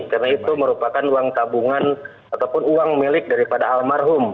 karena itu merupakan uang tabungan ataupun uang milik daripada almarhum